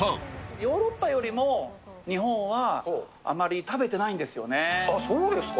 ヨーロッパよりも日本はあまそうですか。